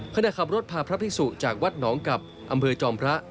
ขณะขับรถพาพระภิกษุจากวัดหนองกับอำเภอจอมพระ